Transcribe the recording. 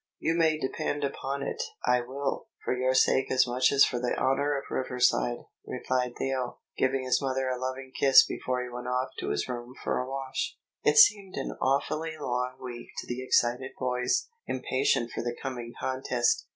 "You may depend upon it I will, for your sake as much as for the honour of Riverside," replied Theo, giving his mother a loving kiss before he went off to his room for a wash. It seemed an awfully long week to the excited boys, impatient for the coming contest.